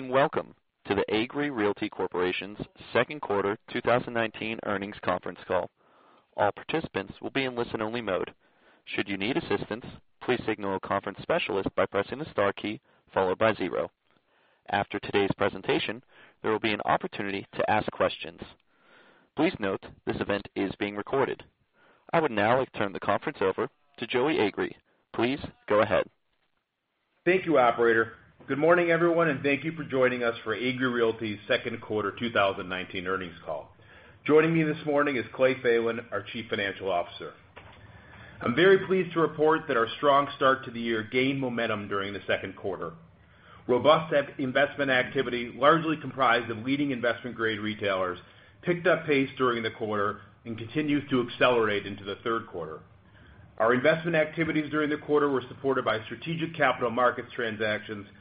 Welcome to the Agree Realty Corporation's Q2 2019 earnings conference call. All participants will be in listen only mode. Should you need assistance, please signal a conference specialist by pressing the star key followed by zero. After today's presentation, there will be an opportunity to ask questions. Please note this event is being recorded. I would now like to turn the conference over to Joey Agree. Please go ahead. Thank you, operator. Good morning, everyone, and thank you for joining us for Agree Realty's Q2 2019 earnings call. Joining me this morning is Clay Thelen, our Chief Financial Officer. I'm very pleased to report that our strong start to the year gained momentum during the Q2. Robust investment activity, largely comprised of leading investment-grade retailers, picked up pace during the quarter and continues to accelerate into the Q3. Our investment activities during the quarter were supported by strategic capital markets transactions that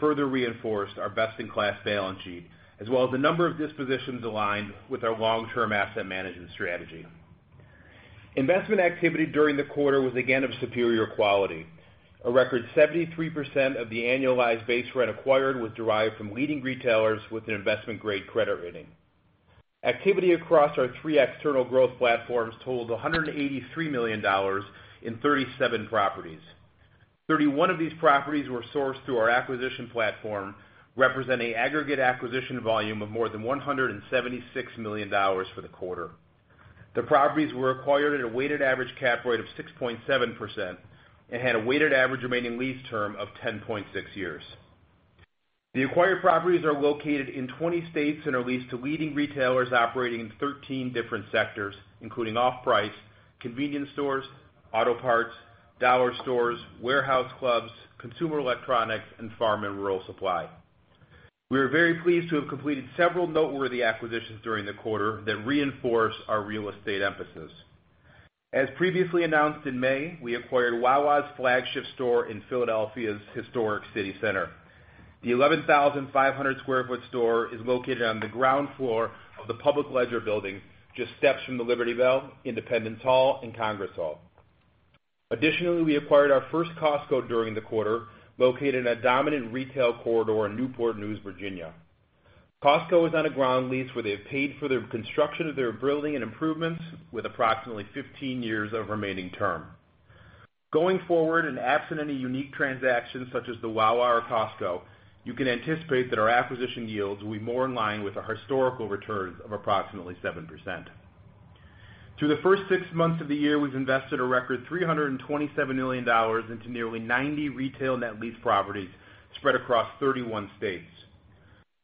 further reinforced our best-in-class balance sheet, as well as a number of dispositions aligned with our long-term asset management strategy. Investment activity during the quarter was again of superior quality. A record 73% of the annualized base rent acquired was derived from leading retailers with an investment-grade credit rating. Activity across our three external growth platforms totaled $183 million in 37 properties. 31 of these properties were sourced through our acquisition platform, representing aggregate acquisition volume of more than $176 million for the quarter. The properties were acquired at a weighted average cap rate of 6.7% and had a weighted average remaining lease term of 10.6 years. The acquired properties are located in 20 states and are leased to leading retailers operating in 13 different sectors, including off-price, convenience stores, auto parts, dollar stores, warehouse clubs, consumer electronics, and farm and rural supply. We are very pleased to have completed several noteworthy acquisitions during the quarter that reinforce our real estate emphasis. As previously announced in May, we acquired Wawa's flagship store in Philadelphia's historic city center. The 11,500 square foot store is located on the ground floor of the Public Ledger building, just steps from the Liberty Bell, Independence Hall, and Congress Hall. Additionally, we acquired our first Costco during the quarter, located in a dominant retail corridor in Newport News, Virginia. Costco is on a ground lease where they have paid for the construction of their building and improvements with approximately 15 years of remaining term. Going forward and absent any unique transactions such as the Wawa or Costco, you can anticipate that our acquisition yields will be more in line with our historical returns of approximately 7%. Through the first six months of the year, we've invested a record $327 million into nearly 90 retail net lease properties spread across 31 states.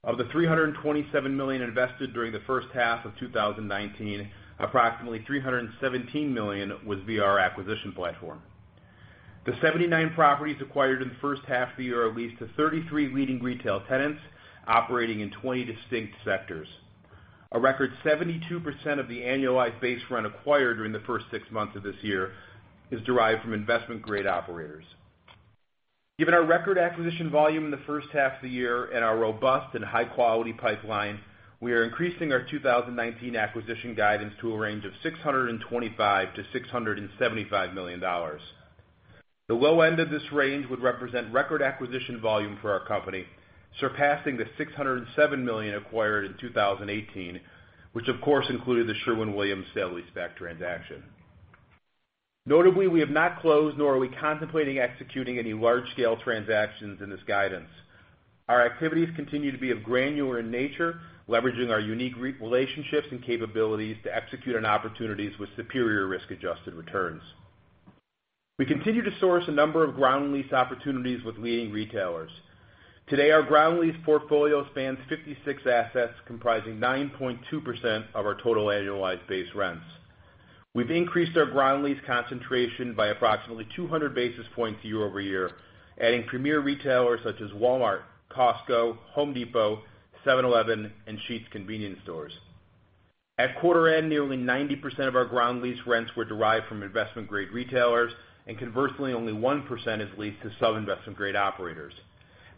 Of the $327 million invested during the H1 of 2019, approximately $317 million was via our acquisition platform. The 79 properties acquired in the H1 of the year are leased to 33 leading retail tenants operating in 20 distinct sectors. A record 72% of the annualized base rent acquired during the first six months of this year is derived from investment-grade operators. Given our record acquisition volume in the H1 of the year and our robust and high-quality pipeline, we are increasing our 2019 acquisition guidance to a range of $625 million-$675 million. The low end of this range would represent record acquisition volume for our company, surpassing the $607 million acquired in 2018, which of course included the Sherwin-Williams sale-leaseback transaction. Notably, we have not closed nor are we contemplating executing any large-scale transactions in this guidance. Our activities continue to be of granular in nature, leveraging our unique relationships and capabilities to execute on opportunities with superior risk-adjusted returns. We continue to source a number of ground lease opportunities with leading retailers. Today, our ground lease portfolio spans 56 assets comprising 9.2% of our total annualized base rents. We've increased our ground lease concentration by approximately 200 basis points year-over-year, adding premier retailers such as Walmart, Costco, The Home Depot, 7-Eleven, and Sheetz convenience stores. At quarter end, nearly 90% of our ground lease rents were derived from investment-grade retailers, and conversely, only 1% is leased to sub-investment grade operators.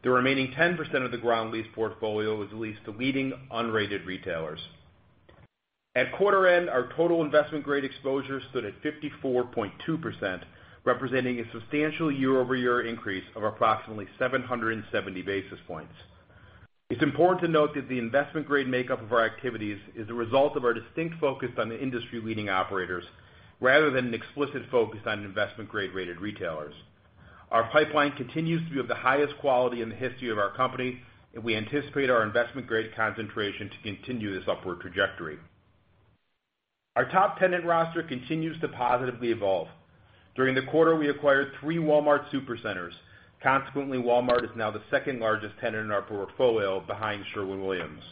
The remaining 10% of the ground lease portfolio was leased to leading unrated retailers. At quarter end, our total investment-grade exposure stood at 54.2%, representing a substantial year-over-year increase of approximately 770 basis points. It's important to note that the investment-grade makeup of our activities is a result of our distinct focus on the industry-leading operators rather than an explicit focus on investment-grade rated retailers. Our pipeline continues to be of the highest quality in the history of our company, and we anticipate our investment-grade concentration to continue this upward trajectory. Our top tenant roster continues to positively evolve. During the quarter, we acquired three Walmart Supercenters. Consequently, Walmart is now the second largest tenant in our portfolio behind Sherwin-Williams.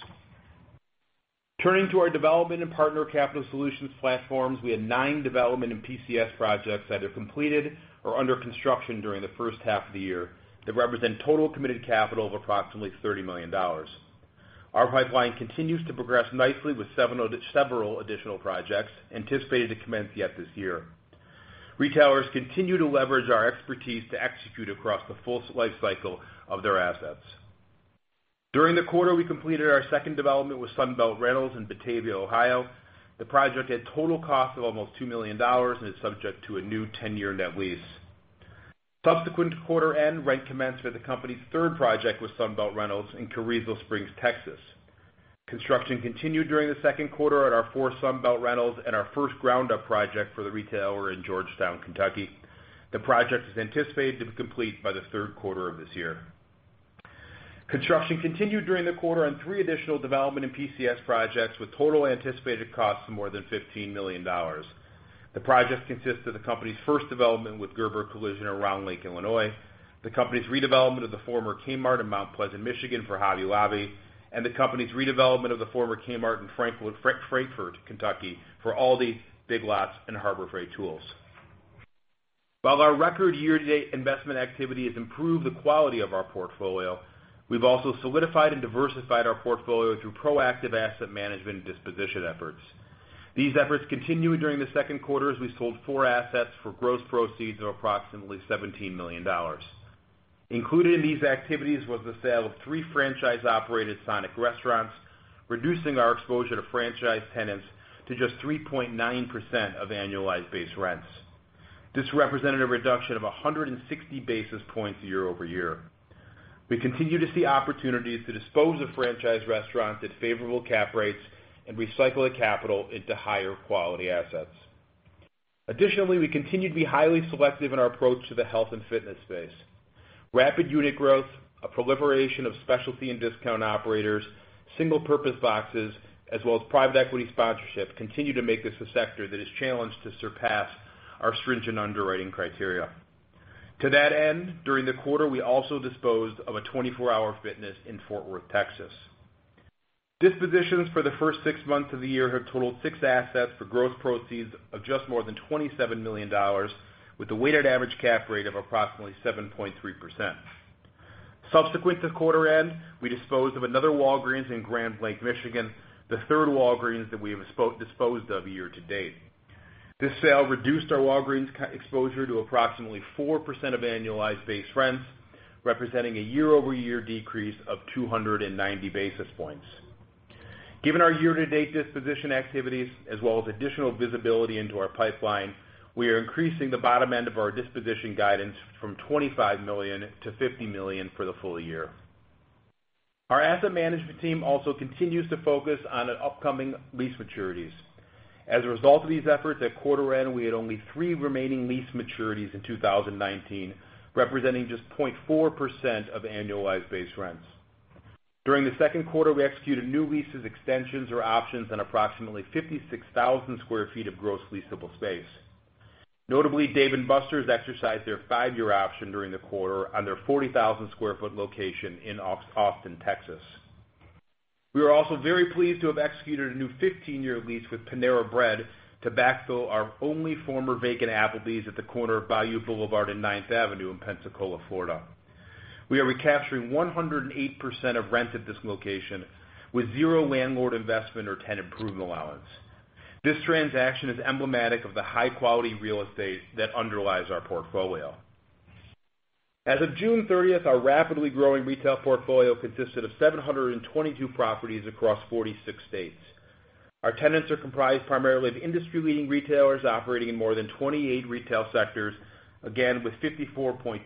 Turning to our development and Partner Capital Solutions platforms, we had nine development and PCS projects that are completed or under construction during the H1 of the year that represent total committed capital of approximately $30 million. Our pipeline continues to progress nicely with several additional projects anticipated to commence yet this year. Retailers continue to leverage our expertise to execute across the full life cycle of their assets. During the quarter, we completed our second development with Sunbelt Rentals in Batavia, Ohio. The project had total cost of almost $2 million and is subject to a new 10-year net lease. Subsequent to quarter end, rent commenced at the company's third project with Sunbelt Rentals in Carrizo Springs, Texas. Construction continued during the Q2 at our fourth Sunbelt Rentals and our first ground-up project for the retailer in Georgetown, Kentucky. The project is anticipated to be complete by the Q3 of this year. Construction continued during the quarter on three additional development and PCS projects with total anticipated costs of more than $15 million. The projects consist of the company's first development with Gerber Collision in Round Lake, Illinois, the company's redevelopment of the former Kmart in Mount Pleasant, Michigan for Hobby Lobby, and the company's redevelopment of the former Kmart in Frankfort, Kentucky for ALDI, Big Lots, and Harbor Freight Tools. While our record year-to-date investment activity has improved the quality of our portfolio, we've also solidified and diversified our portfolio through proactive asset management and disposition efforts. These efforts continued during the Q2, as we sold four assets for gross proceeds of approximately $17 million. Included in these activities was the sale of three franchise-operated Sonic restaurants, reducing our exposure to franchise tenants to just 3.9% of annualized base rents. This represented a reduction of 160 basis points year-over-year. We continue to see opportunities to dispose of franchise restaurants at favorable cap rates and recycle the capital into higher quality assets. Additionally, we continue to be highly selective in our approach to the health and fitness space. Rapid unit growth, a proliferation of specialty and discount operators, single purpose boxes, as well as private equity sponsorship, continue to make this a sector that is challenged to surpass our stringent underwriting criteria. To that end, during the quarter, we also disposed of a 24 Hour Fitness in Fort Worth, Texas. Dispositions for the first six months of the year have totaled six assets for gross proceeds of just more than $27 million, With a weighted average cap rate of approximately 7.3%. Subsequent to quarter end, we disposed of another Walgreens in Grand Blanc, Michigan, the third Walgreens that we have disposed of year-to-date. This sale reduced our Walgreens exposure to approximately 4% of annualized base rents, representing a year-over-year decrease of 290 basis points. Given our year-to-date disposition activities, as well as additional visibility into our pipeline, we are increasing the bottom end of our disposition guidance from $25 million-$50 million for the full year. Our asset management team also continues to focus on upcoming lease maturities. As a result of these efforts, at quarter end, we had only three remaining lease maturities in 2019, representing just 0.4% of annualized base rents. During the Q2, we executed new leases, extensions, or options on approximately 56,000 sq ft of gross leasable space. Notably, Dave & Buster's exercised their five-year option during the quarter on their 40,000 sq ft location in Austin, Texas. We are also very pleased to have executed a new 15-year lease with Panera Bread to backfill our only former vacant Applebee's at the corner of Bayou Boulevard and 9th Avenue in Pensacola, Florida. We are recapturing 108% of rent at this location with zero landlord investment or tenant improvement allowance. This transaction is emblematic of the high-quality real estate that underlies our portfolio. As of June 30th, our rapidly growing retail portfolio consisted of 722 properties across 46 states. Our tenants are comprised primarily of industry-leading retailers operating in more than 28 retail sectors, again, with 54.2%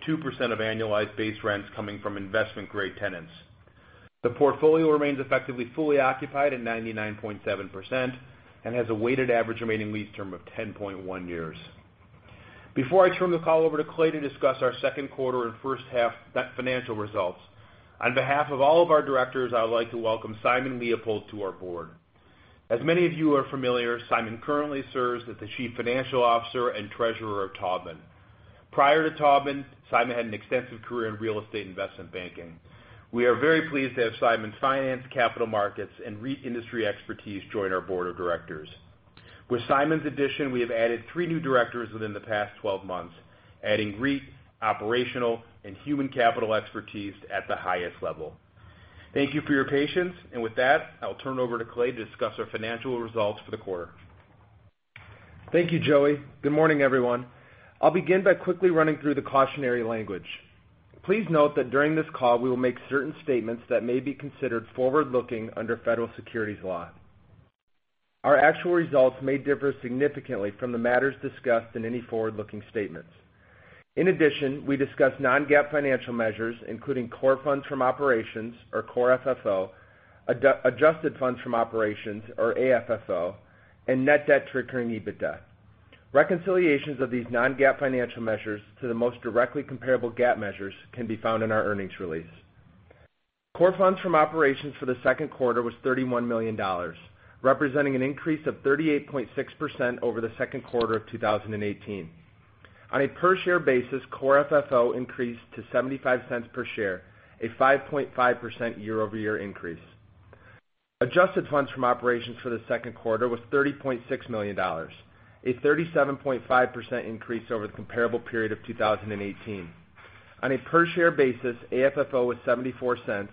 of annualized base rents coming from investment-grade tenants. The portfolio remains effectively fully occupied at 99.7% and has a weighted average remaining lease term of 10.1 years. Before I turn the call over to Clay Thelen to discuss our Q2 and H1 net financial results, on behalf of all of our directors, I would like to welcome Simon Leopold to our board. As many of you are familiar, Simon currently serves as the Chief Financial Officer and Treasurer of Taubman. Prior to Taubman, Simon had an extensive career in real estate investment banking. We are very pleased to have Simon's finance, capital markets, and REIT industry expertise join our board of directors. With Simon's addition, we have added three new directors within the past 12 months, adding REIT, operational, and human capital expertise at the highest level. Thank you for your patience. With that, I will turn it over to Clay to discuss our financial results for the quarter. Thank you, Joey. Good morning, everyone. I'll begin by quickly running through the cautionary language. Please note that during this call, we will make certain statements that may be considered forward-looking under federal securities law. Our actual results may differ significantly from the matters discussed in any forward-looking statements. In addition, we discuss non-GAAP financial measures, including core funds from operations or core FFO, adjusted funds from operations or AFFO, and net debt to recurring EBITDA. Reconciliations of these non-GAAP financial measures to the most directly comparable GAAP measures can be found in our earnings release. Core funds from operations for the Q2 was $31 million, representing an increase of 38.6% over the Q2 of 2018. On a per share basis, core FFO increased to $0.75 per share, a 5.5% year-over-year increase. Adjusted funds from operations for the Q2 was $30.6 million, a 37.5% increase over the comparable period of 2018. On a per share basis, AFFO was $0.74,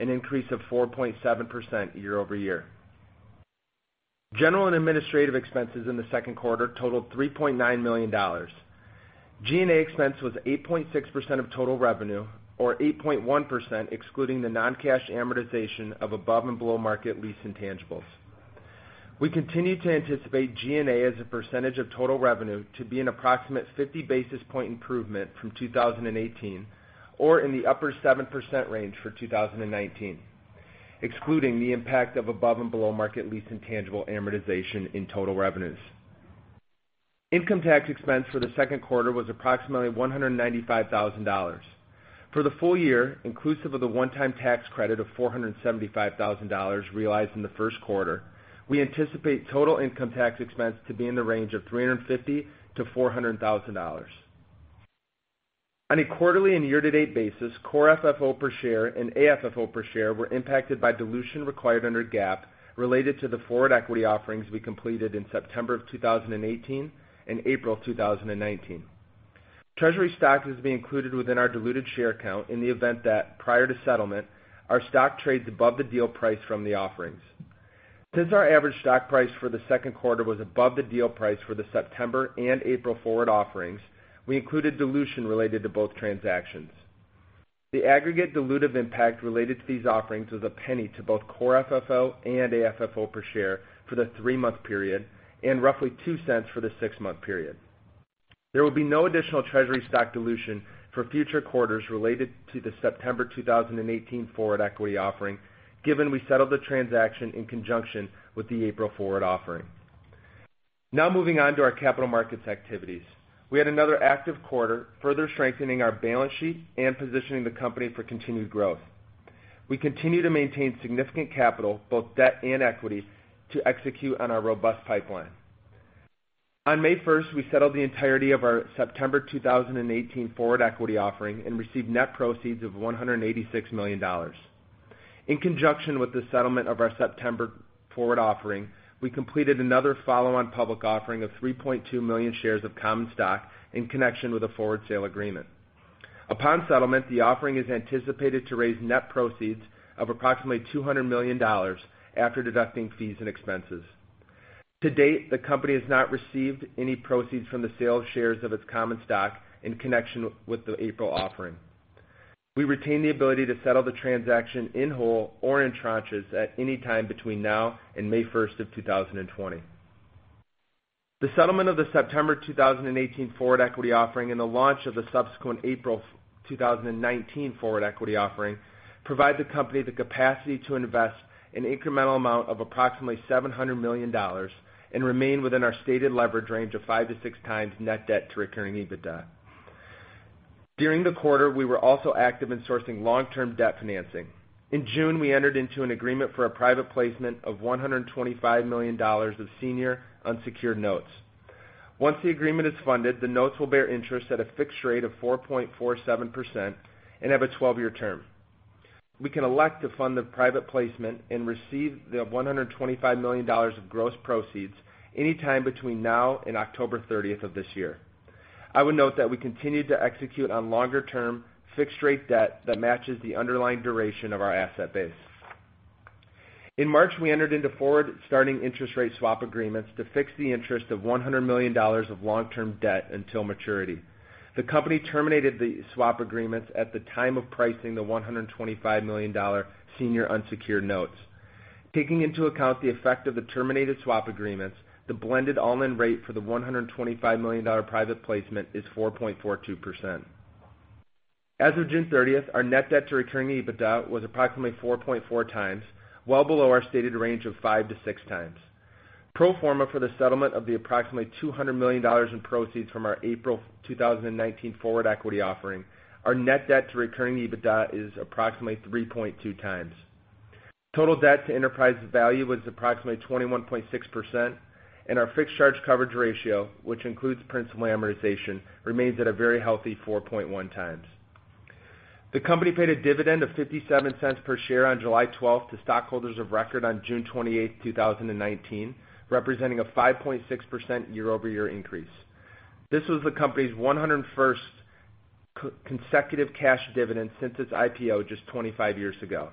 an increase of 4.7% year-over-year. General and administrative expenses in the Q2 totaled $3.9 million. G&A expense was 8.6% of total revenue or 8.1% excluding the non-cash amortization of above and below market lease intangibles. We continue to anticipate G&A as a percentage of total revenue to be an approximate 50 basis point improvement from 2018, or in the upper 7% range for 2019, excluding the impact of above and below market lease intangible amortization in total revenues. Income tax expense for the Q2 was approximately $195,000. For the full year, inclusive of the one-time tax credit of $475,000 realized in the Q1, we anticipate total income tax expense to be in the range of $350,000-$400,000. On a quarterly and year-to-date basis, core FFO per share and AFFO per share were impacted by dilution required under GAAP related to the forward equity offerings we completed in September of 2018 and April 2019. treasury stock is being included within our diluted share count in the event that, prior to settlement, our stock trades above the deal price from the offerings. Since our average stock price for the Q2 was above the deal price for the September and April forward offerings, we included dilution related to both transactions. The aggregate dilutive impact related to these offerings was $0.01 to both core FFO and AFFO per share for the three-month period, and roughly $0.02 for the six-month period. There will be no additional treasury stock dilution for future quarters related to the September 2018 forward equity offering, given we settled the transaction in conjunction with the April forward offering. Now moving on to our capital markets activities. We had another active quarter, further strengthening our balance sheet and positioning the company for continued growth. We continue to maintain significant capital, both debt and equity, to execute on our robust pipeline. On May 1st, we settled the entirety of our September 2018 forward equity offering and received net proceeds of $186 million. In conjunction with the settlement of our September forward offering, we completed another follow-on public offering of 3.2 million shares of common stock in connection with a forward sale agreement. Upon settlement, the offering is anticipated to raise net proceeds of approximately $200 million after deducting fees and expenses. To date, the company has not received any proceeds from the sale of shares of its common stock in connection with the April offering. We retain the ability to settle the transaction in whole or in tranches at any time between now and May 1st of 2020. The settlement of the September 2018 forward equity offering and the launch of the subsequent April 2019 forward equity offering provide the company the capacity to invest an incremental amount of approximately $700 million and remain within our stated leverage range of 5 to 6x net debt to recurring EBITDA. During the quarter, we were also active in sourcing long-term debt financing. In June, we entered into an agreement for a private placement of $125 million of senior unsecured notes. Once the agreement is funded, the notes will bear interest at a fixed rate of 4.47% and have a 12-year term. We can elect to fund the private placement and receive the $125 million of gross proceeds anytime between now and October 30th of this year. I would note that we continue to execute on longer-term fixed rate debt that matches the underlying duration of our asset base. In March, we entered into forward starting interest rate swap agreements to fix the interest of $100 million of long-term debt until maturity. The company terminated the swap agreements at the time of pricing the $125 million senior unsecured notes. Taking into account the effect of the terminated swap agreements, the blended all-in rate for the $125 million private placement is 4.42%. As of June 30th, our net debt to recurring EBITDA was approximately 4.4x, well below our stated range of five to 6x. Pro forma for the settlement of the approximately $200 million in proceeds from our April 2019 forward equity offering, our net debt to recurring EBITDA is approximately 3.2x. Total debt to enterprise value was approximately 21.6%, and our fixed charge coverage ratio, which includes principal amortization, remains at a very healthy 4.1x. The company paid a dividend of $0.57 per share on July 12th to stockholders of record on June 28th, 2019, representing a 5.6% year-over-year increase. This was the company's 101st consecutive cash dividend since its IPO just 25 years ago.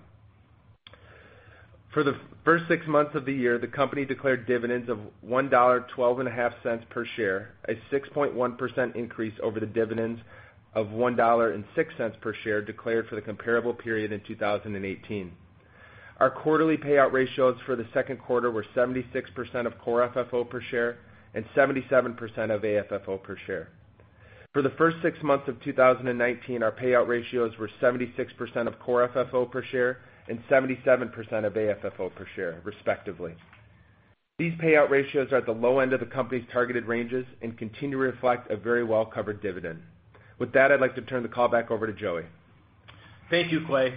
For the first six months of the year, the company declared dividends of $1.125 per share, a 6.1% increase over the dividends of $1.06 per share declared for the comparable period in 2018. Our quarterly payout ratios for the Q2 were 76% of core FFO per share and 77% of AFFO per share. For the first six months of 2019, our payout ratios were 76% of core FFO per share and 77% of AFFO per share, respectively. These payout ratios are at the low end of the company's targeted ranges and continue to reflect a very well-covered dividend. With that, I'd like to turn the call back over to Joey. Thank you, Clay.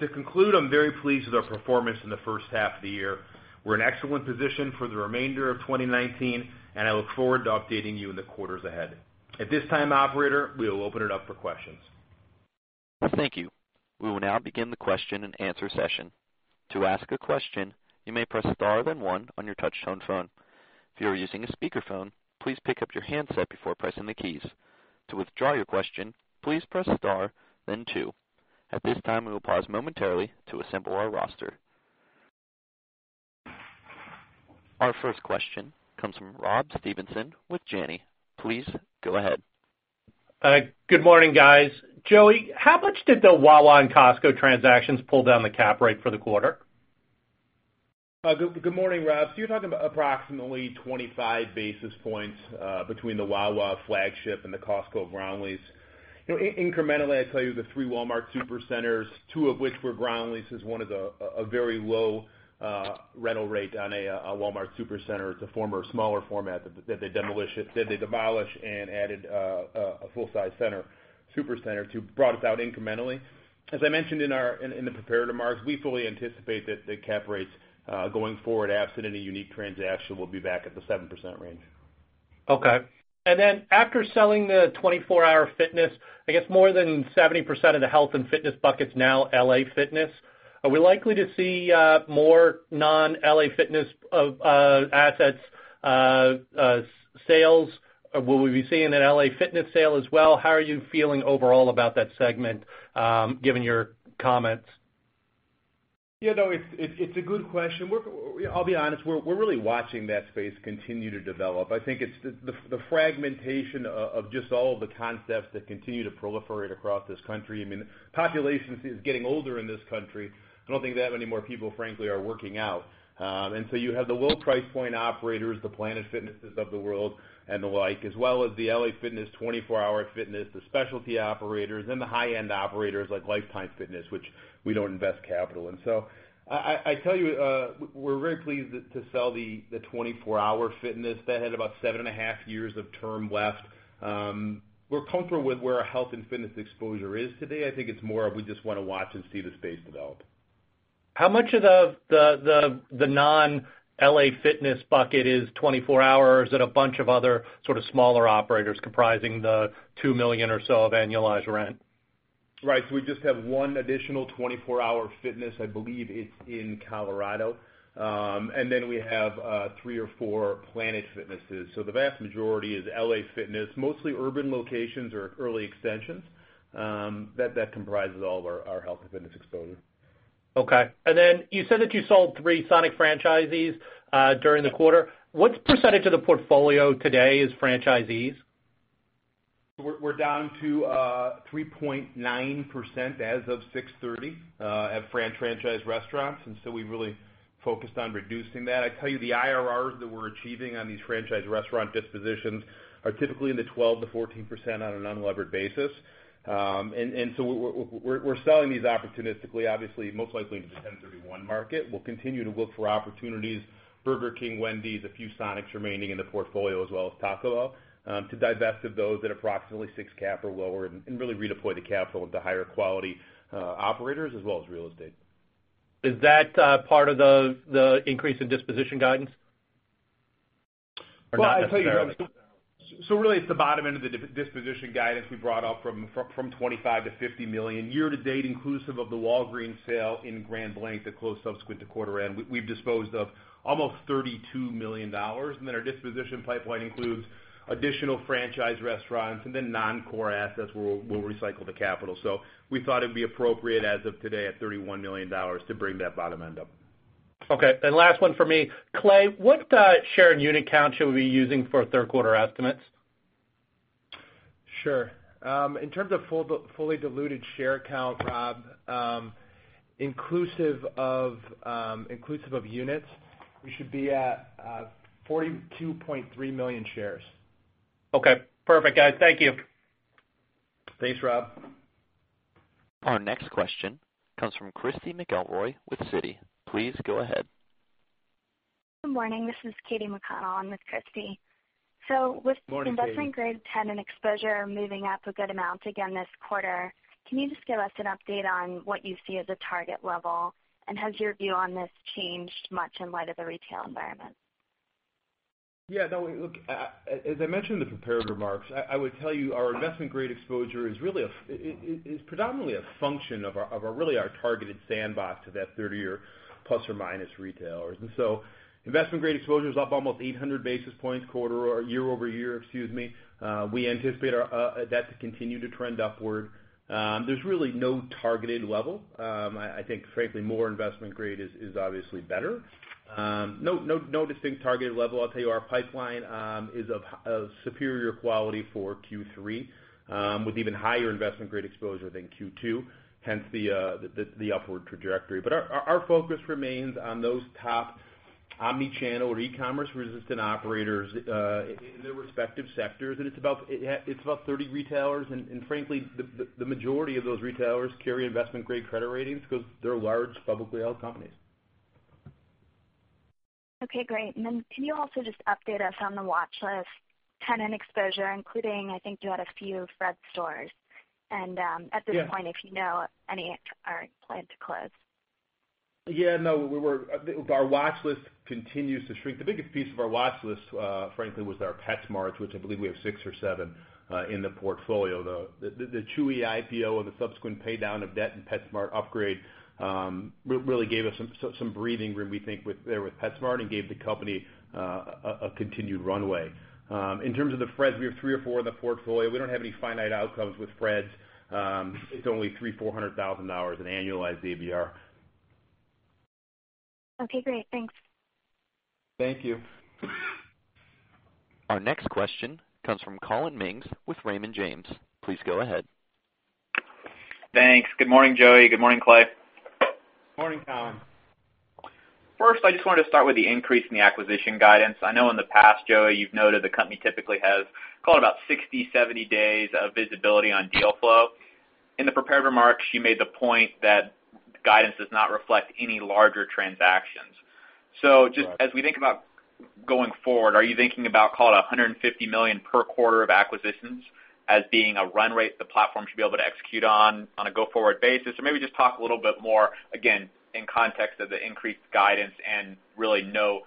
To conclude, I'm very pleased with our performance in the H1 of the year. We're in excellent position for the remainder of 2019. I look forward to updating you in the quarters ahead. At this time, operator, we will open it up for questions. Thank you. We will now begin the question and answer session. To ask a question, you may press star then one on your touchtone phone. If you are using a speakerphone, please pick up your handset before pressing the keys. To withdraw your question, please press star then two. At this time, we will pause momentarily to assemble our roster. Our first question comes from Rob Stevenson with Janney. Please go ahead. Good morning, guys. Joey, how much did the Wawa and Costco transactions pull down the cap rate for the quarter? Good morning, Rob. You're talking about approximately 25 basis points between the Wawa flagship and the Costco ground lease. Incrementally, I'd tell you the three Walmart Supercenters, two of which were ground leases, one is a very low rental rate on a Walmart Supercenter. It's a former smaller format that they demolished and added a full-size Supercenter to brought us out incrementally. As I mentioned in the prepared remarks, we fully anticipate that the cap rates going forward, absent any unique transaction, will be back at the 7% range. Okay. After selling the 24 Hour Fitness, I guess more than 70% of the health and fitness bucket's now LA Fitness. Are we likely to see more non-LA Fitness assets sales? Will we be seeing an LA Fitness sale as well? How are you feeling overall about that segment, given your comments? It's a good question. I'll be honest, we're really watching that space continue to develop. I think it's the fragmentation of just all the concepts that continue to proliferate across this country. Population is getting older in this country. I don't think that many more people, frankly, are working out. You have the low price point operators, the Planet Fitnesses of the world and the like, as well as the LA Fitness, 24 Hour Fitness, The specialty operators and the high-end operators like Life Time Fitness, which we don't invest capital in. I tell you, we're very pleased to sell the 24 Hour Fitness that had about seven and a half years of term left. We're comfortable with where our health and fitness exposure is today. I think it's more of we just want to watch and see the space develop. How much of the non-LA Fitness bucket is 24 Hour and a bunch of other sort of smaller operators comprising the $2 million or so of annualized rent? Right. We just have one additional 24 Hour Fitness. I believe it's in Colorado. We have three or four Planet Fitnesses. The vast majority is LA Fitness, mostly urban locations or early extensions. That comprises all of our health and fitness exposure. Okay. You said that you sold three Sonic franchisees during the quarter. What percentage of the portfolio today is franchisees? We're down to 3.9% as of 6/30 at franchised restaurants, we've really focused on reducing that. I tell you, the IRRs that we're achieving on these franchise restaurant dispositions are typically in the 12%-14% on an unlevered basis. We're selling these opportunistically, obviously most likely in the 1031 market. We'll continue to look for opportunities, Burger King, Wendy's, a few Sonics remaining in the portfolio, as well as Taco Bell, to divest of those at approximately six cap or lower and really redeploy the capital into higher quality operators as well as real estate. Is that part of the increase in disposition guidance? Not necessarily. Really, it's the bottom end of the disposition guidance we brought up from 25 to $50 million. Year to date, inclusive of the Walgreens sale in Grand Blanc that closed subsequent to quarter end, we've disposed of almost $32 million. Our disposition pipeline includes additional franchise restaurants and then non-core assets where we'll recycle the capital. We thought it'd be appropriate as of today at $31 million to bring that bottom end up. Okay. Last one for me. Clay, what shared unit count should we be using for Q3 estimates? Sure. In terms of fully diluted share count, Rob, inclusive of units, we should be at 42.3 million shares. Okay, perfect, guys. Thank you. Thanks, Rob. Our next question comes from Christy McElroy with Citi. Please go ahead. Good morning. This is Katie McConnell. I'm with Christy. Morning, Katie. With investment-grade tenant exposure moving up a good amount again this quarter, can you just give us an update on what you see as a target level? Has your view on this changed much in light of the retail environment? No, look, as I mentioned in the prepared remarks, I would tell you our investment-grade exposure is predominantly a function of really our targeted sandbox of that 30-year± retailers. So investment-grade exposure is up almost 800 basis points year-over-year. We anticipate that to continue to trend upward. There's really no targeted level. I think frankly, more investment-grade is obviously better. No distinct targeted level. I'll tell you, our pipeline is of superior quality for Q3, with even higher investment-grade exposure than Q2, hence the upward trajectory. Our focus remains on those top omni-channel or e-commerce resistant operators, in their respective sectors. It's about 30 retailers, and frankly, the majority of those retailers carry investment-grade credit ratings because they're large, publicly held companies. Okay, great. Can you also just update us on the watch list tenant exposure, including, I think you had a few Fred's stores. Yeah. If you know any aren't planned to close. Yeah, no. Our watch list continues to shrink. The biggest piece of our watch list, frankly, was our PetSmarts, which I believe we have six or seven in the portfolio. The Chewy IPO and the subsequent pay down of debt and PetSmart upgrade really gave us some breathing room, we think, there with PetSmart and gave the company a continued runway. In terms of the Fred's, we have three or four in the portfolio. We don't have any finite outcomes with Fred's. It's only three, $400,000 in annualized ABR. Okay, great. Thanks. Thank you. Our next question comes from Collin Mings with Raymond James. Please go ahead. Thanks. Good morning, Joey. Good morning, Clay. Morning, Collin. I just wanted to start with the increase in the acquisition guidance. I know in the past, Joey, you've noted the company typically has call it about 60, 70 days of visibility on deal flow. In the prepared remarks, you made the point that guidance does not reflect any larger transactions. Right. Just as we think about going forward, are you thinking about call it $150 million per quarter of acquisitions as being a run rate the platform should be able to execute on a go-forward basis? Or maybe just talk a little bit more again, in context of the increased guidance and really no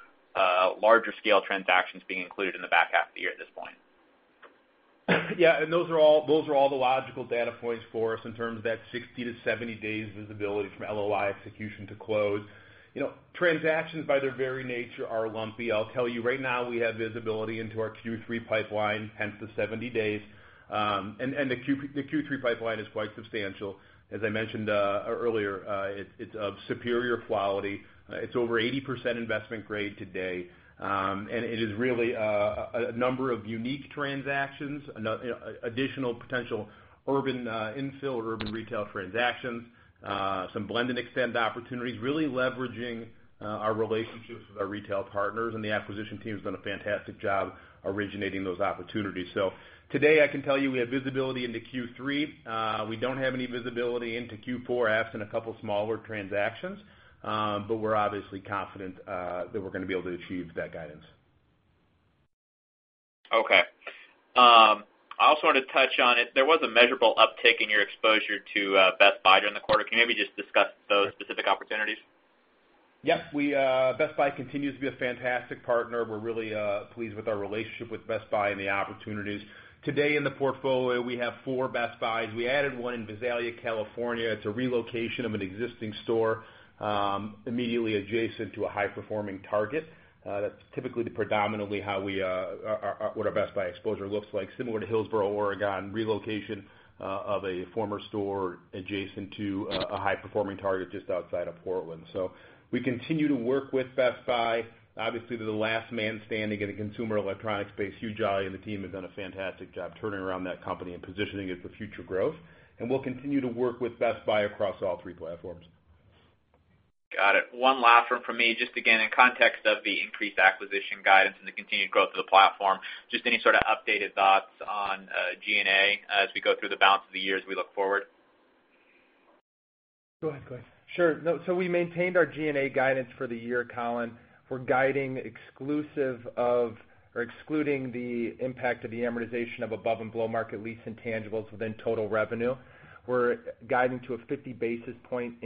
larger scale transactions being included in the back half of the year at this point. Yeah. Those are all the logical data points for us in terms of that 60-70 days visibility from LOI execution to close. Transactions by their very nature are lumpy. I'll tell you right now, we have visibility into our Q3 pipeline, hence the 70 days. The Q3 pipeline is quite substantial. As I mentioned earlier, it's of superior quality. It's over 80% investment grade today. It is really a number of unique transactions, additional potential urban infill or urban retail transactions, some blend and extend opportunities, really leveraging our relationships with our retail partners. The acquisition team has done a fantastic job originating those opportunities. Today, I can tell you, we have visibility into Q3. We don't have any visibility into Q4, absent a couple smaller transactions. We're obviously confident that we're gonna be able to achieve that guidance. Okay. I also wanted to touch on if there was a measurable uptick in your exposure to Best Buy during the quarter. Can you maybe just discuss those specific opportunities? Yes. Best Buy continues to be a fantastic partner. We're really pleased with our relationship with Best Buy and the opportunities. Today in the portfolio, we have four Best Buys. We added one in Visalia, California. It's a relocation of an existing store, immediately adjacent to a high-performing Target. That's typically predominantly what our Best Buy exposure looks like, similar to Hillsboro, Oregon, relocation of a former store adjacent to a high-performing Target just outside of Portland. We continue to work with Best Buy. Obviously, they're the last man standing in the consumer electronics space. Hubert Joly and the team have done a fantastic job turning around that company and positioning it for future growth. We'll continue to work with Best Buy across all three platforms. Got it. One last one from me. Just again, in context of the increased acquisition guidance and the continued growth of the platform, just any sort of updated thoughts on G&A as we go through the balance of the year as we look forward? Go ahead, Clay. Sure. We maintained our G&A guidance for the year, Collin. We're guiding exclusive of or excluding the impact of the amortization of above and below market lease intangibles within total revenue. We're guiding to a 50 basis point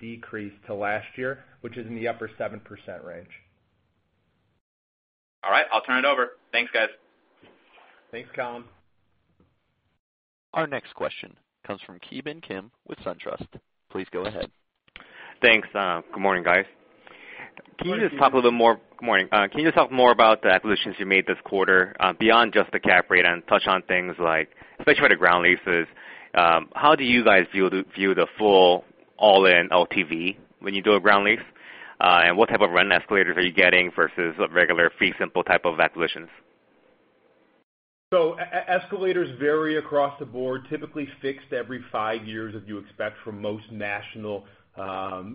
decrease to last year, which is in the upper 7% range. All right, I'll turn it over. Thanks, guys. Thanks, Collin. Our next question comes from Ki Bin Kim with SunTrust. Please go ahead. Thanks. Good morning, guys. Morning, Ki Bin. Good morning. Can you just talk more about the acquisitions you made this quarter, beyond just the cap rate, and touch on things like, especially for the ground leases, how do you guys view the full all-in LTV when you do a ground lease? What type of rent escalators are you getting versus regular fee simple type of acquisitions? Escalators vary across the board, typically fixed every five years, as you expect from most national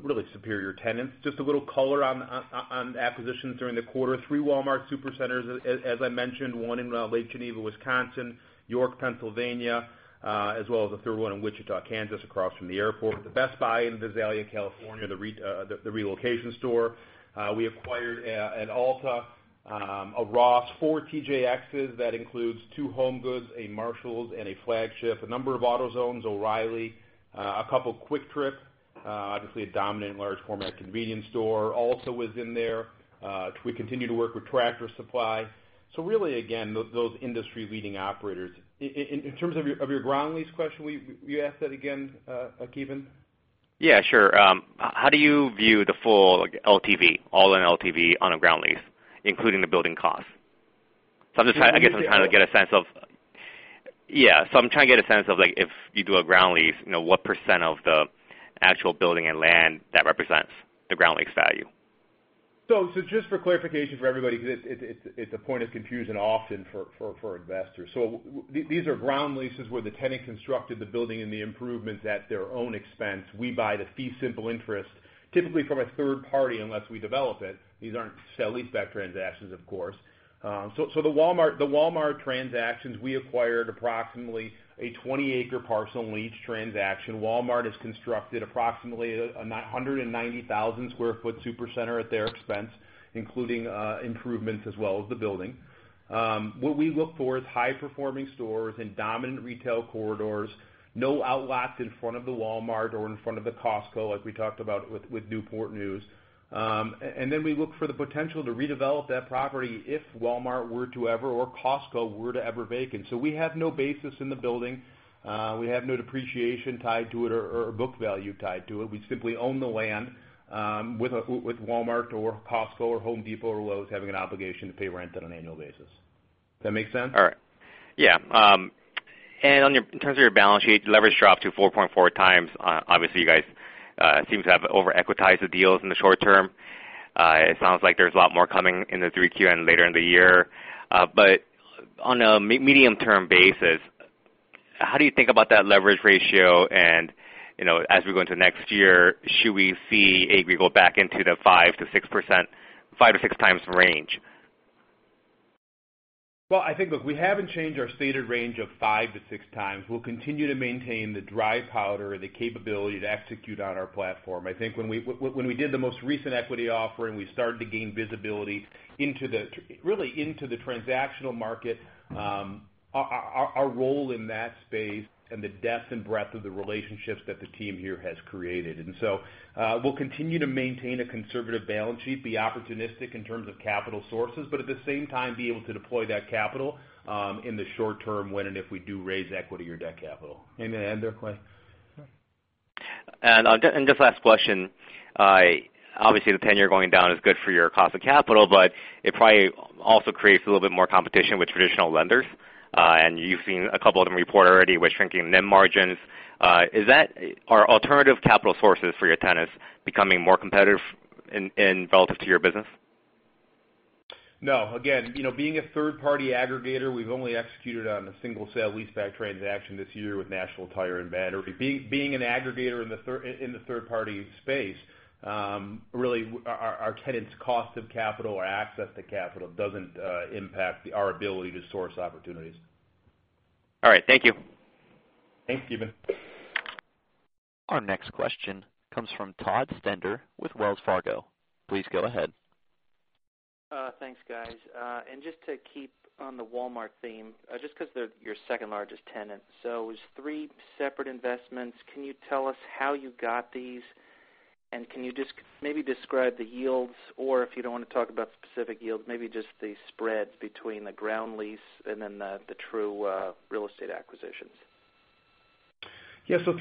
really superior tenants. Just a little color on acquisitions during the quarter. three Walmart Supercenters, as I mentioned, one in Lake Geneva, Wisconsin, York, Pennsylvania, as well as a third one in Wichita, Kansas, across from the airport. The Best Buy in Visalia, California, the relocation store. We acquired an Ulta, a Ross, four TJXes. That includes two HomeGoods, a Marshalls, and a flagship. A number of AutoZones, O'Reilly, a couple Kwik Trip, obviously a dominant large format convenience store, also was in there. We continue to work with Tractor Supply. Really, again, those industry-leading operators. In terms of your ground lease question, will you ask that again, Ki Bin? Yeah, sure. How do you view the full LTV, all-in LTV on a ground lease, including the building cost? I'm just trying to get a sense of, like, if you do a ground lease, what % of the actual building and land that represents the ground lease value. Just for clarification for everybody, because it's a point of confusion often for investors. These are ground leases where the tenant constructed the building and the improvements at their own expense. We buy the fee simple interest, typically from a third party, unless we develop it. These aren't sale-leaseback transactions, of course. The Walmart transactions, we acquired approximately a 20-acre parcel in each transaction. Walmart has constructed approximately 190,000 sq ft supercenter at their expense, including improvements as well as the building. What we look for is high-performing stores in dominant retail corridors, no outlots in front of the Walmart or in front of the Costco, as we talked about with Newport News. We look for the potential to redevelop that property if Walmart were to ever or Costco were to ever vacant. We have no basis in the building. We have no depreciation tied to it or book value tied to it. We simply own the land, with Walmart or Costco or Home Depot or Lowe's having an obligation to pay rent on an annual basis. Does that make sense? All right. Yeah. In terms of your balance sheet leverage drop to 4.4x. Obviously, you guys seem to have over-equitized the deals in the short term. It sounds like there's a lot more coming in the 3Q and later in the year. On a medium-term basis, how do you think about that leverage ratio? As we go into next year, should we see ADC go back into the 5-6x range? Well, I think, look, we haven't changed our stated range of five to 6x. We'll continue to maintain the dry powder, the capability to execute on our platform. I think when we did the most recent equity offering, we started to gain visibility really into the transactional market, Our role in that space, and the depth and breadth of the relationships that the team here has created. So we'll continue to maintain a conservative balance sheet, be opportunistic in terms of capital sources, but at the same time, be able to deploy that capital in the short term when and if we do raise equity or debt capital. Anything to add there, Clay? Just last question. Obviously, the 10-year going down is good for your cost of capital, but it probably also creates a little bit more competition with traditional lenders. You've seen a couple of them report already with shrinking NIM margins. Are alternative capital sources for your tenants becoming more competitive relative to your business? No. Again, being a third-party aggregator, we've only executed on a single sale-leaseback transaction this year with National Tire and Battery. Being an aggregator in the third-party space, really, our tenants' cost of capital or access to capital doesn't impact our ability to source opportunities. All right. Thank you. Thanks, Ki Bin. Our next question comes from Todd Stender with Wells Fargo. Please go ahead. Thanks, guys. Just to keep on the Walmart theme, just because they're your second-largest tenant. It was three separate investments. Can you tell us how you got these? Can you just maybe describe the yields, or if you don't want to talk about specific yields, maybe just the spread between the ground lease and then the true real estate acquisitions?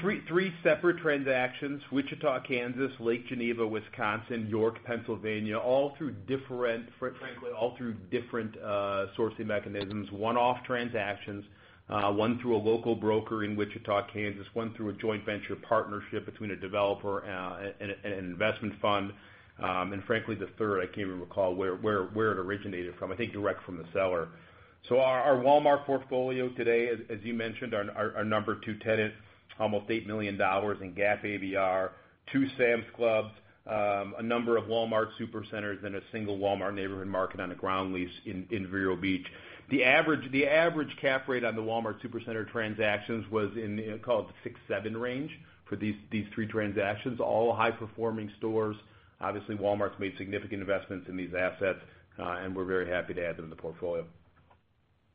Three separate transactions. Wichita, Kansas, Lake Geneva, Wisconsin, York, Pennsylvania, frankly, all through different sourcing mechanisms. One-off transactions, one through a local broker in Wichita, Kansas. One through a joint venture partnership between a developer and an investment fund. Frankly, the third, I can't even recall where it originated from. I think direct from the seller. Our Walmart portfolio today, as you mentioned, our number two tenant, almost $8 million in GAAP ABR, two Sam's Clubs, a number of Walmart Supercenters, and a single Walmart Neighborhood Market on a ground lease in Vero Beach. The average cap rate on the Walmart Supercenter transactions was in the 6-7 range for these three transactions, all high-performing stores. Obviously, Walmart's made significant investments in these assets, and we're very happy to add them to the portfolio.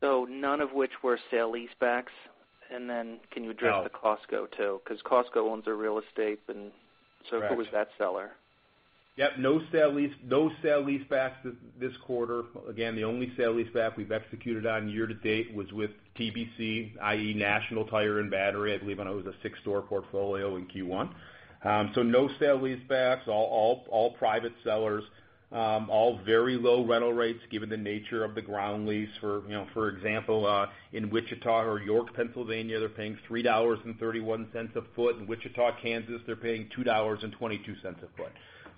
None of which were sale-leasebacks. Can you address. No. The Costco too? Because Costco owns their real estate and. Correct. Who was that seller? Yep. No sale-leasebacks this quarter. The only sale-leaseback we've executed on year to date was with TBC, i.e., National Tire and Battery. I believe it was a six-store portfolio in Q1. No sale-leasebacks. All private sellers. All very low rental rates given the nature of the ground lease. For example, in Wichita or York, Pennsylvania, they're paying $3.31 a foot. In Wichita, Kansas, they're paying $2.22 a foot.